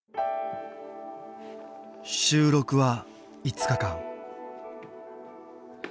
収録は５日間